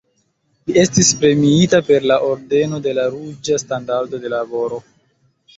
Li estis premiita per la Ordeno de la Ruĝa Standardo de Laboro.